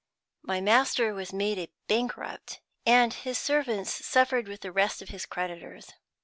My master was made a bankrupt, and his servants suffered with the rest of his creditors.